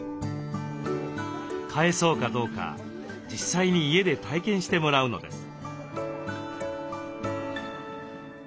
飼えそうかどうか実際に家で体験してもらうのです。